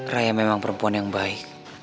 raya memang perempuan yang baik